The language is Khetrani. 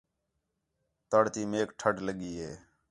تَڑ تی میک ٹَھݙ لڳی ہے